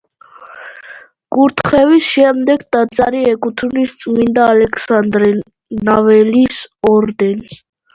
კურთხევის შემდეგ ტაძარი ეკუთვნის წმინდა ალექსანდრე ნეველის ორდენს.